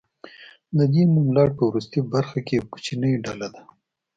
د دې نوملړ په وروستۍ برخه کې یوه کوچنۍ ډله ده.